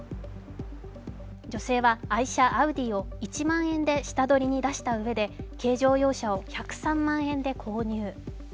女性は愛車・アウディを１万円で下取りに出したうえで軽乗用車を１０３万円で購入。